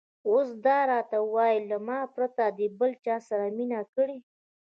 اوس دا راته ووایه، له ما پرته دې له بل چا سره مینه کړې؟